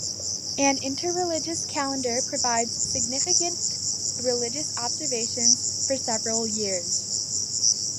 An inter-religious calendar provides significant religious observations for several years.